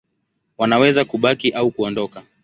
Wanaweza kubaki au kuondoka.